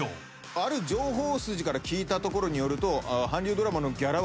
ある情報筋から聞いたところによると韓流ドラマの。